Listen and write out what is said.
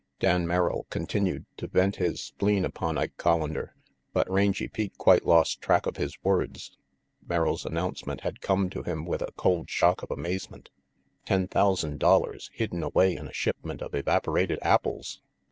Dan Merrill continued to vent his spleen upon Ike Collander, but Rangy Pete quite lost track of his words. Merrill's announcement had come to him with a cold shock of amazement. Ten thousand dollars hidden away in a shipment of evaporated apples!